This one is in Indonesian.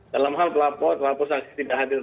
dalam hal laporan laporan yang masih tidak hadir